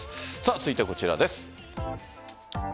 続いてはこちらです。